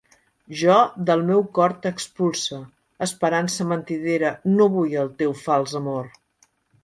Jo del meu cor t'expulse, esperança mentidera, no vull el teu fals amor.